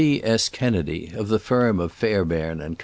T. S. Kennedy (of the firm of Fairbairn & Co.)